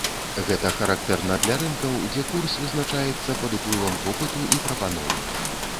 Гэта характэрна для рынкаў, дзе курс вызначаецца пад уплывам попыту і прапановы.